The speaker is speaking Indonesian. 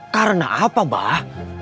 karena apa bah